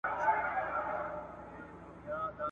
مرګ مشر او کشر ته نه ګوري ..